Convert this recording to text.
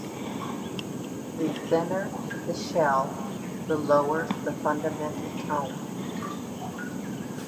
The thinner the shell, the lower the fundamental tone.